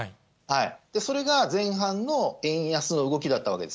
それが前半の円安の動きだったわけです。